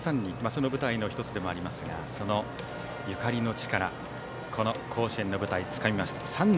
その舞台の１つでもありますがそのゆかりの地からこの甲子園の舞台をつかみました。